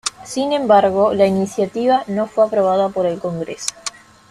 Sin embargo, la iniciativa no fue aprobada por el Congreso.